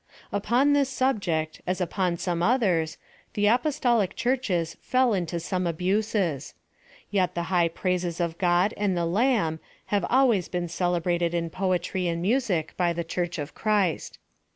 '' Upon this subject, as upon some others, the apos tolic churches fell into some abuses ; yet the high praises of God and the Lamb, have always been celebrated in poetry and music by the church of Christ.